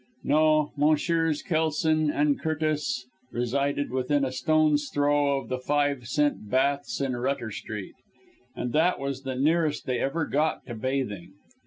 No, Messrs. Kelson and Curtis resided within a stone's throw of the five cent baths in Rutter Street and that was the nearest they ever got to bathing.